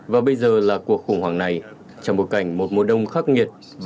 và bây giờ là cuộc khủng hoảng này trong một cảnh một mùa đông khắc nghiệt